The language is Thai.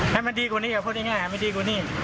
ให้ดีกว่านี้คือเยอะกว่านี้